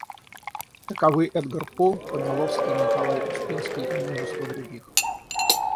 Таковы Эдгар По, Помяловский, Николай Успенский и множество других.